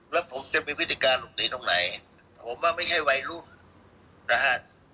แล้วผมจะมีพฤติการหลบหนีตรงไหนผมว่าไม่ใช่วัยรุ่นนะฮะ